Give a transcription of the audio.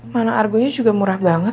mana argonya juga murah banget